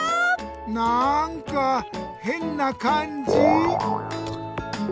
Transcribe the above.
なんかへんなかんじ！